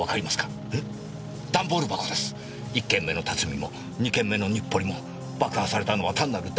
１件目の辰巳も２件目の日暮里も爆破されたのは単なるダンボール箱でした。